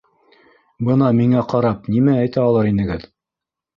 Бына миңә ҡарап... нимә әйтә алыр инегеҙ?